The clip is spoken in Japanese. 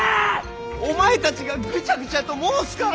お前たちがぐちゃぐちゃと申すから！